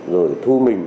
rồi thu mình